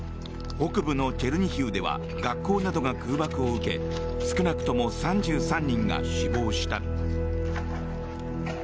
北部のチェルニヒウでは学校などが空爆を受け少なくとも３３人が死亡した。